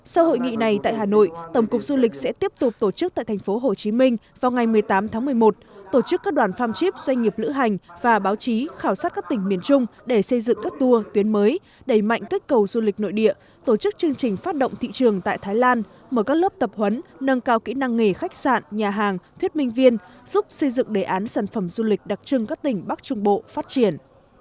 sau hội nghị này tại hà nội tổng cục du lịch sẽ tiếp tục tổ chức tại thành phố hồ chí minh vào ngày một mươi tám tháng một mươi một tổ chức các đoàn pham chip doanh nghiệp lữ hành và báo chí khảo sát các tỉnh miền trung để xây dựng các tour tuyến mới đẩy mạnh kết cầu du lịch nội địa tổ chức chương trình phát động thị trường tại thái lan mở các lớp tập huấn nâng cao kỹ năng nghề khách sạn nhà hàng thuyết minh viên giúp xây dựng đề án sản phẩm du lịch đặc trưng các tỉnh bắc trung bộ phát triển